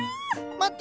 待って！